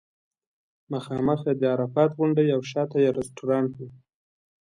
مخامخ یې د عرفات غونډۍ او شاته یې رستورانټ و.